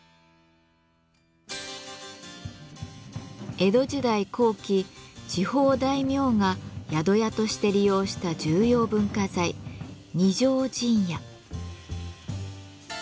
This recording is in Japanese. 江戸時代後期地方大名が宿屋として利用した重要文化財二條陣屋。